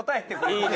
いいね。